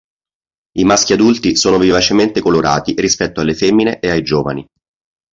I maschi adulti sono vivacemente colorati rispetto alle femmine e ai giovani.